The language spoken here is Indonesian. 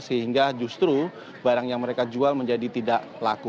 sehingga justru barang yang mereka jual menjadi tidak laku